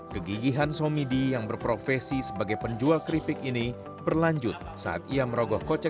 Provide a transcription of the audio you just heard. kegigihan somidi yang berprofesi sebagai penjual keripik ini berlanjut saat ia merogoh kocek